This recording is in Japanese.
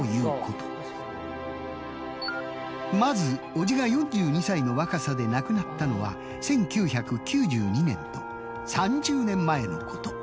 まず叔父が４２歳の若さで亡くなったのは１９９２年と３０年前のこと。